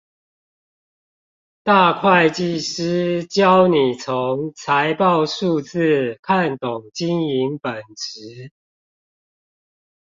大會計師教你從財報數字看懂經營本質